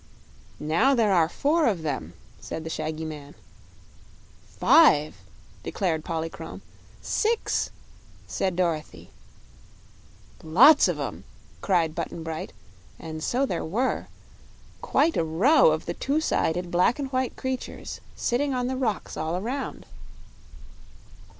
"Now there are four of them," said the shaggy man. "Five," declared Polychrome. "Six," said Dorothy. "Lots of 'em!" cried Button Bright; and so there were quite a row of the two sided black and white creatures sitting on the rocks all around.